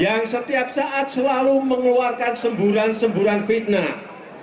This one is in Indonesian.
yang setiap saat selalu mengeluarkan semburan semburan fitnah